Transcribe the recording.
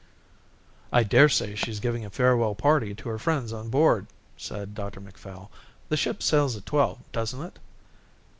"I daresay she's giving a farewell party to her friends on board," said Dr Macphail. "The ship sails at twelve, doesn't it?"